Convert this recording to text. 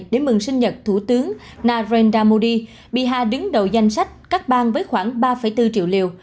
để mừng sinh nhật thủ tướng narendra modi biha đứng đầu danh sách các bang với khoảng ba bốn triệu liều